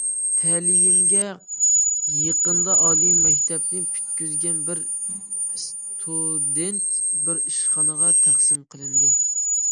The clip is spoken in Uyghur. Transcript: تەلىيىمگە يېقىندا ئالىي مەكتەپنى پۈتكۈزگەن بىر ئىستۇدېنت بۇ ئىشخانىغا تەقسىم قىلىندى.